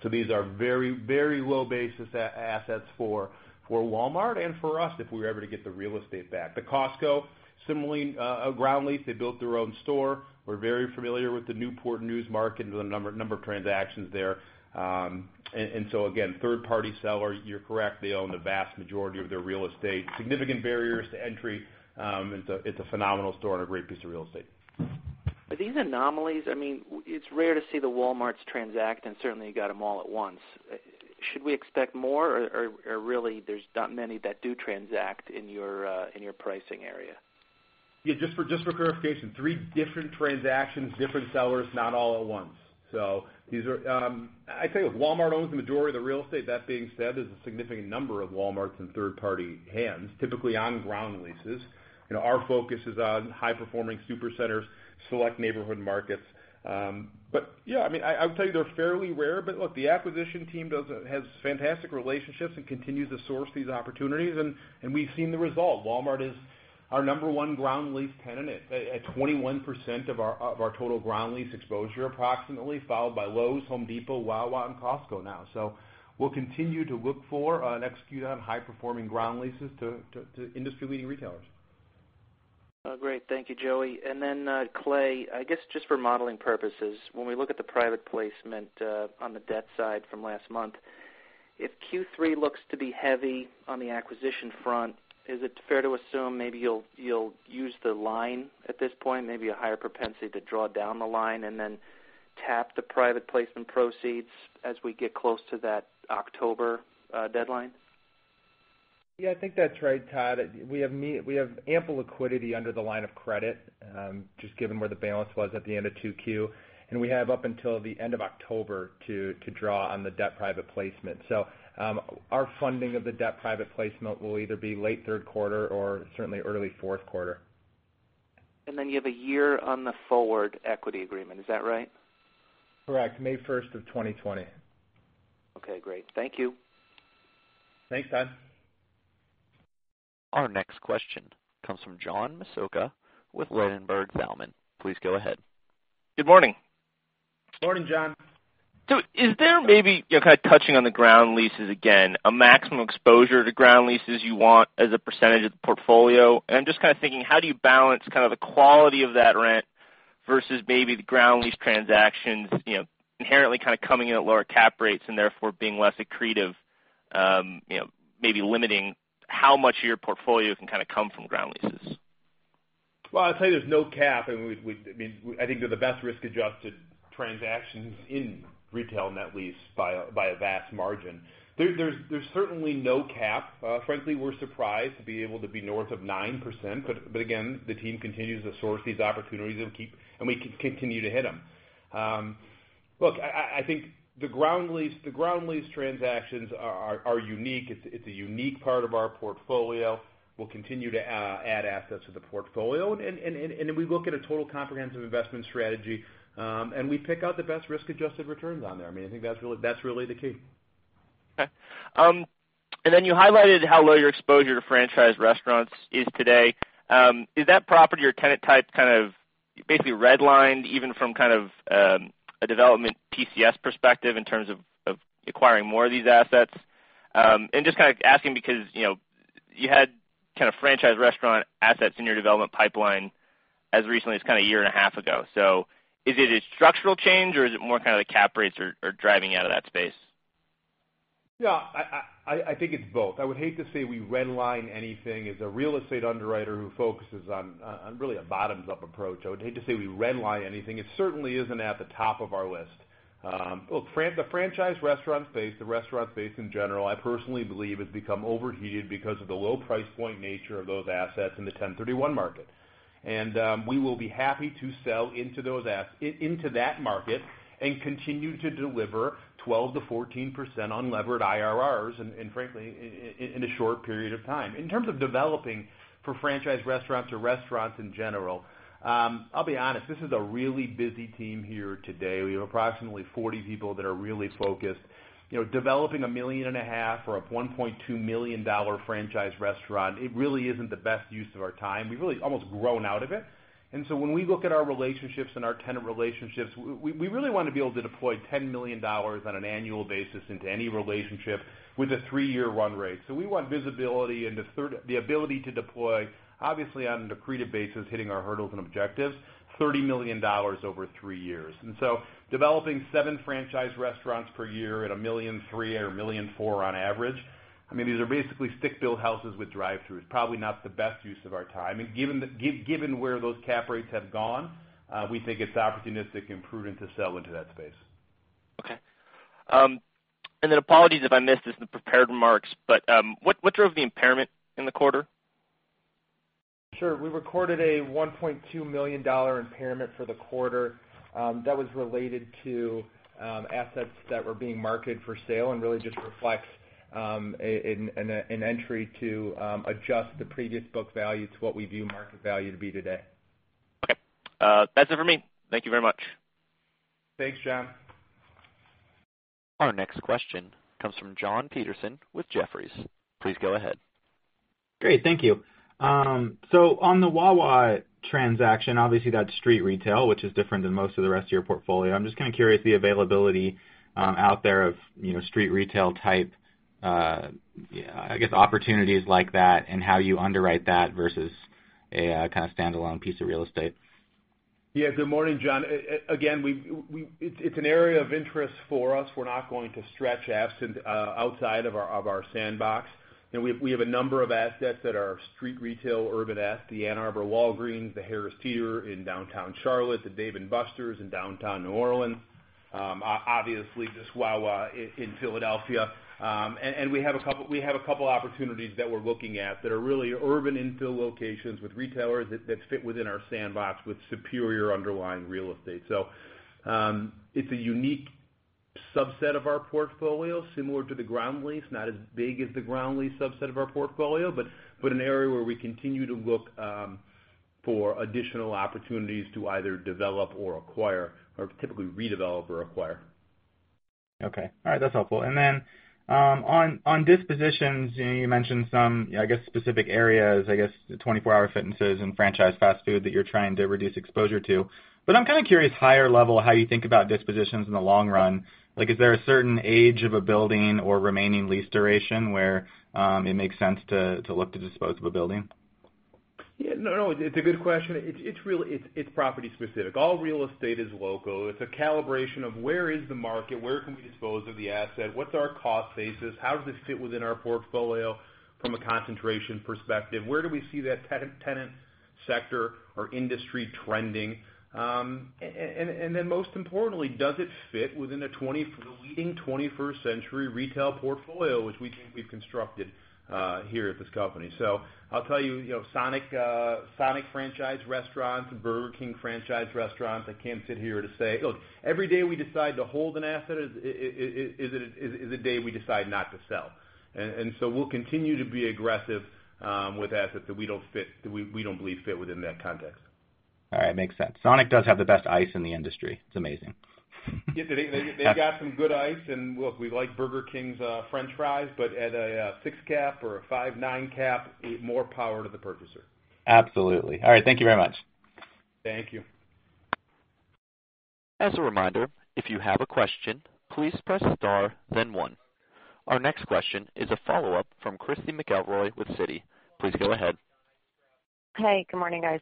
These are very low-basis assets for Walmart and for us if we were ever to get the real estate back. The Costco, similarly, a ground lease. They built their own store. We're very familiar with the Newport News market and the number of transactions there. Again, third-party seller, you're correct. They own the vast majority of their real estate. Significant barriers to entry. It's a phenomenal store and a great piece of real estate. Are these anomalies? It's rare to see the Walmarts transact. Certainly you got them all at once. Should we expect more or really there's not many that do transact in your pricing area? Yeah. Just for clarification, three different transactions, different sellers, not all at once. I tell you what, Walmart owns the majority of the real estate. That being said, there's a significant number of Walmarts in third-party hands, typically on ground leases. Our focus is on high-performing supercenters, select neighborhood markets. Yeah, I would tell you they're fairly rare, but look, the acquisition team has fantastic relationships and continues to source these opportunities, and we've seen the result. Walmart is our number one ground lease tenant at 21% of our total ground lease exposure, approximately, followed by Lowe's, Home Depot, Wawa, and Costco now. We'll continue to look for and execute on high-performing ground leases to industry-leading retailers. Oh, great. Thank you, Joey. Clay, I guess, just for modeling purposes, when we look at the private placement on the debt side from last month, if Q3 looks to be heavy on the acquisition front, is it fair to assume maybe you'll use the line at this point, maybe a higher propensity to draw down the line and then tap the private placement proceeds as we get close to that October deadline? Yeah, I think that's right, Todd. We have ample liquidity under the line of credit, just given where the balance was at the end of 2Q. We have up until the end of October to draw on the debt private placement. Our funding of the debt private placement will either be late Q4 or certainly early Q4. You have a year on the forward equity agreement, is that right? Correct. May 1st of 2020. Okay, great. Thank you. Thanks, Todd. Our next question comes from John Massocca with Ladenburg Thalmann. Please go ahead. Good morning. Morning, John. Is there maybe, touching on the ground leases again, a maximum exposure to ground leases you want as a percentage of the portfolio? I'm just thinking, how do you balance the quality of that rent versus maybe the ground lease transactions, inherently coming in at lower cap rates and therefore being less accretive, maybe limiting how much of your portfolio can come from ground leases? Well, I'd tell you there's no cap, and I think they're the best risk-adjusted transactions in retail net lease by a vast margin. There's certainly no cap. Frankly, we're surprised to be able to be north of 9%, again, the team continues to source these opportunities, and we continue to hit them. Look, I think the ground lease transactions are unique. It's a unique part of our portfolio. We'll continue to add assets to the portfolio, we look at a total comprehensive investment strategy, we pick out the best risk-adjusted returns on there. I think that's really the key. Okay. Then you highlighted how low your exposure to franchise restaurants is today. Is that property or tenant type kind of basically redlined even from kind of a development PCS perspective in terms of acquiring more of these assets? Just kind of asking because you had kind of franchise restaurant assets in your development pipeline as recently as kind of a year and a half ago. Is it a structural change, or is it more kind of the cap rates are driving out of that space? Yeah, I think it's both. I would hate to say we redline anything. As a real estate underwriter who focuses on really a bottoms-up approach, I would hate to say we redline anything. It certainly isn't at the top of our list. Look, the franchise restaurant space, the restaurant space in general, I personally believe has become overheated because of the low price point nature of those assets in the 1031 market. We will be happy to sell into that market and continue to deliver 12%-14% unlevered IRRs, and frankly, in a short period of time. In terms of developing for franchise restaurants or restaurants in general, I'll be honest, this is a really busy team here today. We have approximately 40 people that are really focused. Developing a $1.5 million or a $1.2 million franchise restaurant, it really isn't the best use of our time. We've really almost grown out of it. When we look at our relationships and our tenant relationships, we really want to be able to deploy $10 million on an annual basis into any relationship with a three-year run rate. We want visibility and the ability to deploy, obviously on an accretive basis, hitting our hurdles and objectives, $30 million over three years. Developing seven franchise restaurants per year at $1.3 million or $1.4 million on average, these are basically stick-built houses with drive-throughs. Probably not the best use of our time. Given where those cap rates have gone, we think it's opportunistic and prudent to sell into that space. Okay. Apologies if I missed this in the prepared remarks, but what drove the impairment in the quarter? Sure. We recorded a $1.2 million impairment for the quarter that was related to assets that were being marketed for sale, and really just reflects an entry to adjust the previous book value to what we view market value to be today. Okay. That's it for me. Thank you very much. Thanks, John. Our next question comes from Jon Petersen with Jefferies. Please go ahead. Great. Thank you. On the Wawa transaction, obviously that's street retail, which is different than most of the rest of your portfolio. I'm just kind of curious the availability out there of street retail type, I guess, opportunities like that and how you underwrite that versus a kind of standalone piece of real estate? Yeah. Good morning, Jon. Again, it's an area of interest for us. We're not going to stretch outside of our sandbox. We have a number of assets that are street retail, urban assets, the Ann Arbor Walgreens, the Harris Teeter in downtown Charlotte, the Dave & Buster's in downtown New Orleans. Obviously, this Wawa in Philadelphia. We have a couple of opportunities that we're looking at that are really urban infill locations with retailers that fit within our sandbox with superior underlying real estate. It's a unique subset of our portfolio, similar to the ground lease, not as big as the ground lease subset of our portfolio, but an area where we continue to look for additional opportunities to either develop or acquire, or typically redevelop or acquire. Okay. All right. That's helpful. On dispositions, you mentioned some specific areas, I guess the 24 Hour Fitnesses and franchise fast food that you're trying to reduce exposure to. I'm kind of curious higher level how you think about dispositions in the long run. Like, is there a certain age of a building or remaining lease duration where it makes sense to look to dispose of a building? Yeah. No, it's a good question. It's property specific. All real estate is local. It's a calibration of where is the market, where can we dispose of the asset, what's our cost basis, how does this fit within our portfolio from a concentration perspective, where do we see that tenant sector or industry trending? Most importantly, does it fit within the leading 21st century retail portfolio, which we think we've constructed here at this company. I'll tell you, Sonic franchise restaurants, Burger King franchise restaurants, I can't sit here to say. Look, every day we decide to hold an asset is a day we decide not to sell. We'll continue to be aggressive with assets that we don't believe fit within that context. All right. Makes sense. Sonic does have the best ice in the industry. It's amazing. Yeah. They've got some good ice. Look, we like Burger King's French fries, but at a 6 cap or a 5.9 cap, more power to the purchaser. Absolutely. All right, thank you very much. Thank you. As a reminder, if you have a question, please press star then one. Our next question is a follow-up from Christy McElroy with Citi. Please go ahead. Hey, good morning, guys.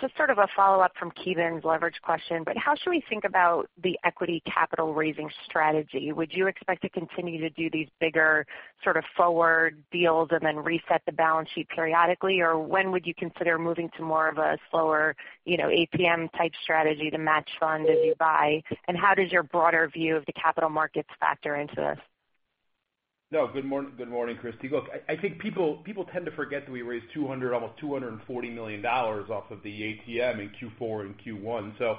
Just sort of a follow-up from Ki Bin's leverage question, how should we think about the equity capital raising strategy? Would you expect to continue to do these bigger sort of forward deals and then reset the balance sheet periodically? When would you consider moving to more of a slower ATM-type strategy to match fund as you buy? How does your broader view of the capital markets factor into this? No, good morning, Christy. Look, I think people tend to forget that we raised almost $240 million off of the ATM in Q4 and Q1.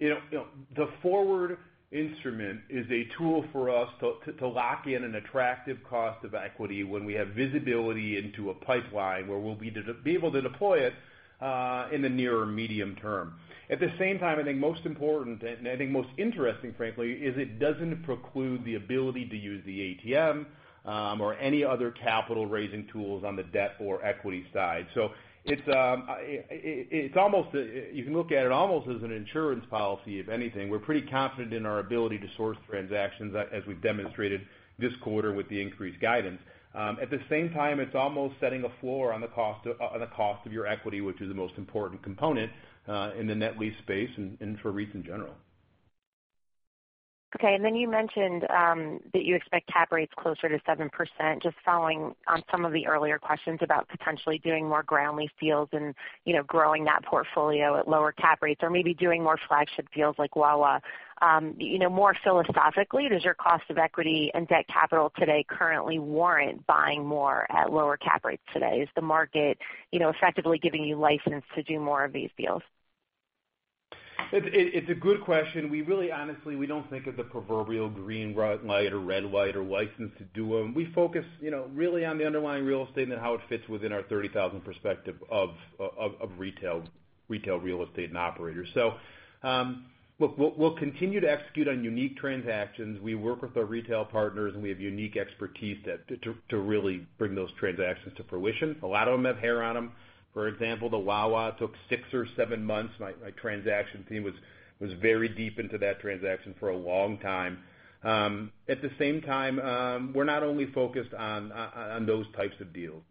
The forward instrument is a tool for us to lock in an attractive cost of equity when we have visibility into a pipeline where we'll be able to deploy it, in the near or medium term. At the same time, I think most important, and I think most interesting, frankly, is it doesn't preclude the ability to use the ATM, or any other capital-raising tools on the debt or equity side. You can look at it almost as an insurance policy, if anything. We're pretty confident in our ability to source transactions, as we've demonstrated this quarter with the increased guidance. At the same time, it's almost setting a floor on the cost of your equity, which is the most important component, in the net lease space and for REITs in general. You mentioned that you expect cap rates closer to 7%. Following on some of the earlier questions about potentially doing more ground lease deals and growing that portfolio at lower cap rates or maybe doing more flagship deals like Wawa. More philosophically, does your cost of equity and debt capital today currently warrant buying more at lower cap rates today? Is the market effectively giving you license to do more of these deals? It's a good question. We really honestly don't think of the proverbial green light or red light or license to do them. We focus really on the underlying real estate and how it fits within our 30,000 perspective of retail real estate and operators. We'll continue to execute on unique transactions. We work with our retail partners, and we have unique expertise to really bring those transactions to fruition. A lot of them have hair on them. For example, the Wawa took six or seven months. My transaction team was very deep into that transaction for a long time. At the same time, we're not only focused on those types of deals.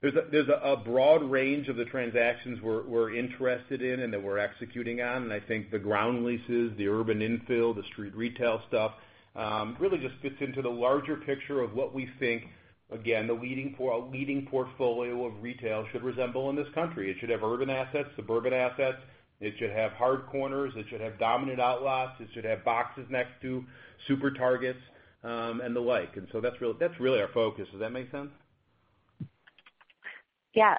There's a broad range of the transactions we're interested in and that we're executing on, and I think the ground leases, the urban infill, the street retail stuff, really just fits into the larger picture of what we think, again, a leading portfolio of retail should resemble in this country. It should have urban assets, suburban assets. It should have hard corners. It should have dominant outlots. It should have boxes next to SuperTarget, and the like. That's really our focus. Does that make sense? Yeah.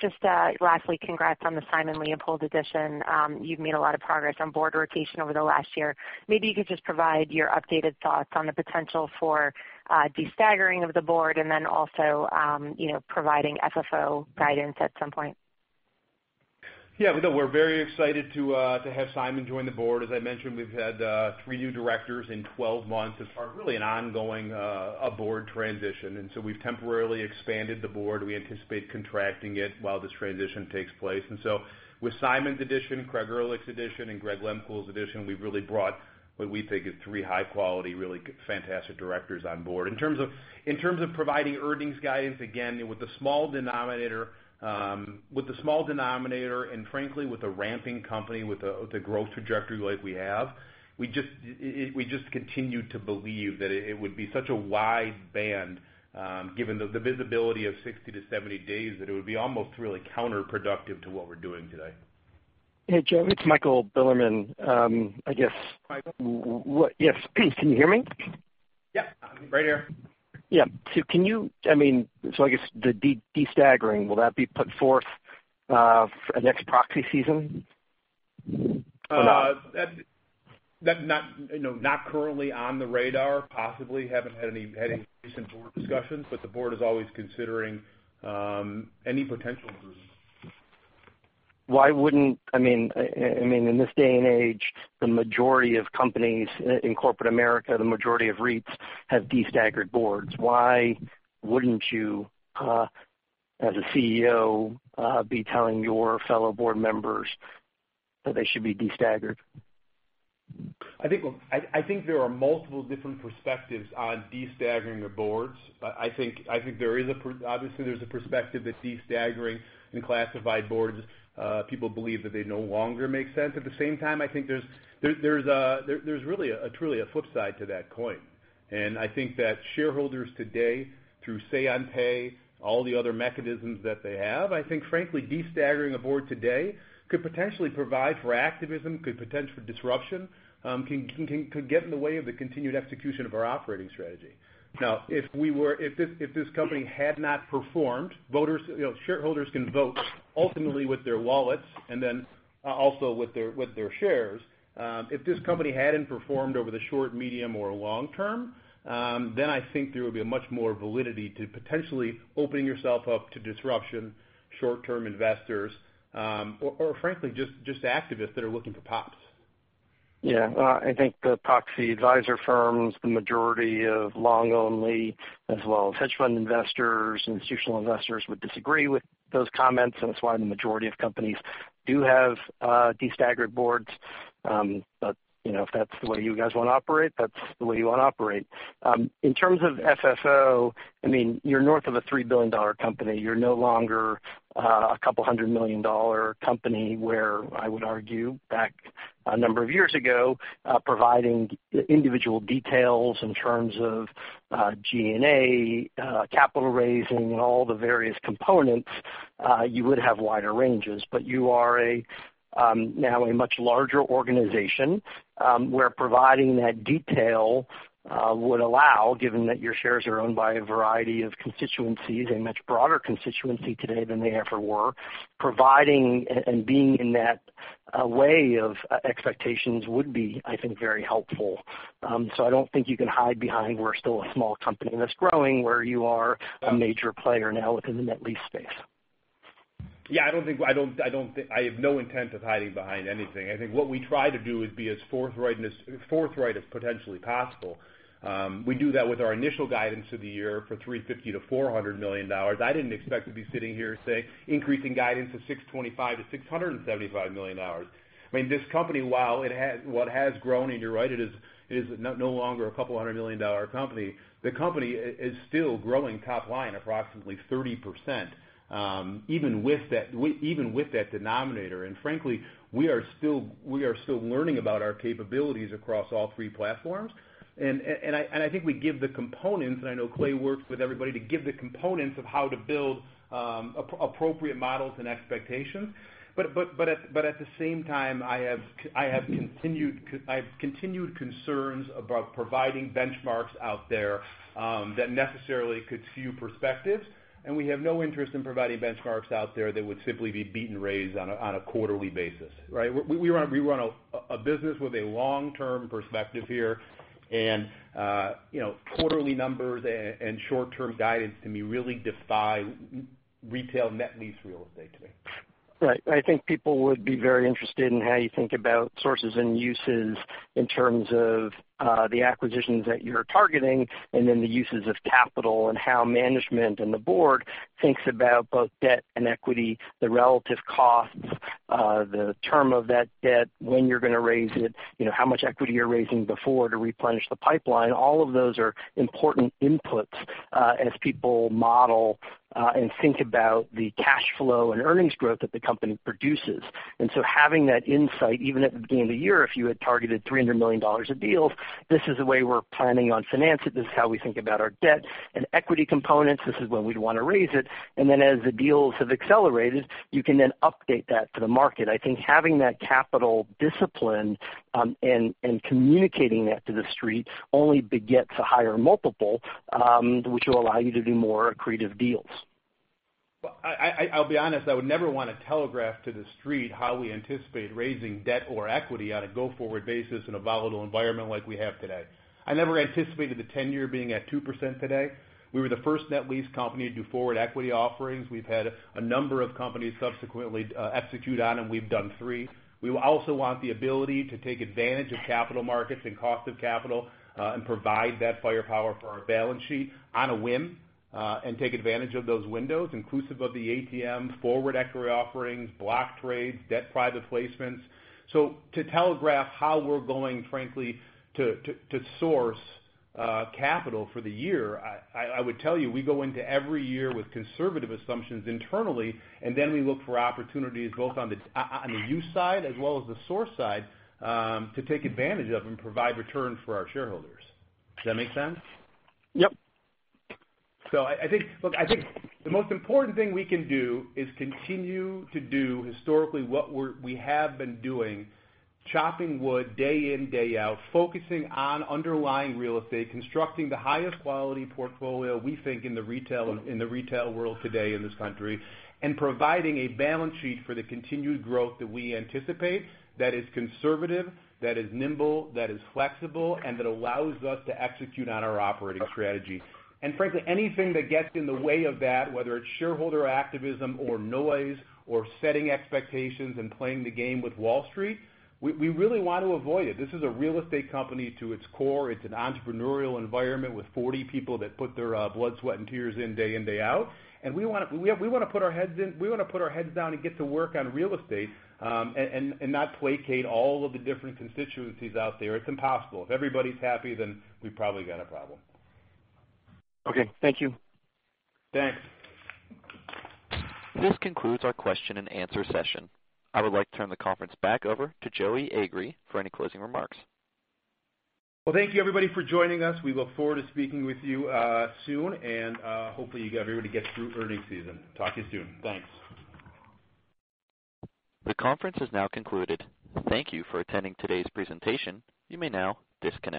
Just lastly, congrats on the Simon Leopold addition. You've made a lot of progress on board rotation over the last year. Maybe you could just provide your updated thoughts on the potential for de-staggering of the board and then also providing FFO guidance at some point. Yeah, we're very excited to have Simon join the board. As I mentioned, we've had three new directors in 12 months as part of really an ongoing board transition. We've temporarily expanded the board. We anticipate contracting it while this transition takes place. With Simon's addition, Craig Ehrlich's addition, and Greg Lehmkuhl's addition, we've really brought what we think is three high-quality, really fantastic directors on board. In terms of providing earnings guidance, again, with the small denominator and frankly, With a ramping company with a growth trajectory like we have, we just continue to believe that it would be such a wide band, given the visibility of 60-70 days, that it would be almost really counterproductive to what we're doing today. Hey, Joey, it's Michael Bilerman. Michael. Yes. Can you hear me? Yeah. I'm right here. Yeah. I guess the de-staggering, will that be put forth, next proxy season or not? Not currently on the radar, possibly. Haven't had any recent board discussions, but the board is always considering any potential improvements. Why wouldn't In this day and age, the majority of companies in corporate America, the majority of REITs have de-staggered boards? Why wouldn't you, as a CEO, be telling your fellow board members that they should be de-staggered? I think there are multiple different perspectives on de-staggering the boards. Obviously, there's a perspective that de-staggering and classified boards, people believe that they no longer make sense. At the same time, I think there's really a truly a flip side to that coin. I think that shareholders today, through say on pay, all the other mechanisms that they have, I think frankly, de-staggering a board today could potentially provide for activism, could potential disruption, could get in the way of the continued execution of our operating strategy. If this company had not performed, shareholders can vote ultimately with their wallets and then also with their shares. If this company hadn't performed over the short, medium, or long term, then I think there would be much more validity to potentially opening yourself up to disruption, short-term investors, or frankly, just activists that are looking for pops. Yeah. I think the proxy advisor firms, the majority of long only as well as hedge fund investors, institutional investors would disagree with those comments, and that's why the majority of companies do have de-staggered boards. If that's the way you guys want to operate, that's the way you want to operate. In terms of FFO, you're north of a $3 billion company. You're no longer a $200 million company where I would argue back a number of years ago, providing individual details in terms of G&A, capital raising and all the various components, you would have wider ranges. You are now a much larger organization, where providing that detail would allow, given that your shares are owned by a variety of constituencies, a much broader constituency today than they ever were, providing and being in that way of expectations would be, I think, very helpful. I don't think you can hide behind, we're still a small company and it's growing where you are a major player now within the net lease space. Yeah. I have no intent of hiding behind anything. I think what we try to do is be as forthright as potentially possible. We do that with our initial guidance of the year for $350 million-$400 million. I didn't expect to be sitting here saying, increasing guidance of $625 million-$675 million. This company, while it has grown, and you're right, it is no longer a couple hundred million dollar company. The company is still growing top line approximately 30%, even with that denominator. Frankly, we are still learning about our capabilities across all three platforms. I think we give the components, and I know Clay Thelen works with everybody to give the components of how to build appropriate models and expectations. At the same time, I have continued concerns about providing benchmarks out there that necessarily could skew perspectives, and we have no interest in providing benchmarks out there that would simply be beat and raised on a quarterly basis, right? We run a business with a long-term perspective here, and quarterly numbers and short-term guidance to me really defy retail net lease real estate today. Right. I think people would be very interested in how you think about sources and uses in terms of the acquisitions that you're targeting, and then the uses of capital and how management and the board thinks about both debt and equity, the relative costs, the term of that debt, when you're going to raise it, how much equity you're raising before to replenish the pipeline. All of those are important inputs as people model and think about the cash flow and earnings growth that the company produces. Having that insight, even at the beginning of the year, if you had targeted $300 million of deals, this is the way we're planning on finance it. This is how we think about our debt and equity components. This is when we'd want to raise it. As the deals have accelerated, you can then update that to the market. I think having that capital discipline, and communicating that to the street only begets a higher multiple, which will allow you to do more accretive deals. I'll be honest, I would never want to telegraph to the street how we anticipate raising debt or equity on a go-forward basis in a volatile environment like we have today. I never anticipated the 10-year being at 2% today. We were the first net lease company to do forward equity offerings. We've had a number of companies subsequently execute on, and we've done three. We also want the ability to take advantage of capital markets and cost of capital, and provide that firepower for our balance sheet on a whim, and take advantage of those windows, inclusive of the ATM, forward equity offerings, block trades, debt private placements. To telegraph how we're going, frankly, to source capital for the year, I would tell you, we go into every year with conservative assumptions internally, and then we look for opportunities both on the use side as well as the source side, to take advantage of and provide return for our shareholders. Does that make sense? Yep. Look, I think the most important thing we can do is continue to do historically what we have been doing, chopping wood day in, day out, focusing on underlying real estate, constructing the highest quality portfolio we think in the retail world today in this country, and providing a balance sheet for the continued growth that we anticipate that is conservative, that is nimble, that is flexible, and that allows us to execute on our operating strategy. Frankly, anything that gets in the way of that, whether it's shareholder activism or noise or setting expectations and playing the game with Wall Street, we really want to avoid it. This is a real estate company to its core. It's an entrepreneurial environment with 40 people that put their blood, sweat, and tears in, day in, day out. We want to put our heads down and get to work on real estate, and not placate all of the different constituencies out there. It's impossible. If everybody's happy, we've probably got a problem. Okay. Thank you. Thanks. This concludes our question and answer session. I would like to turn the conference back over to Joey Agree for any closing remarks. Well, thank you, everybody, for joining us. We look forward to speaking with you soon, and hopefully everybody gets through earnings season. Talk to you soon. Thanks. The conference has now concluded. Thank you for attending today's presentation. You may now disconnect.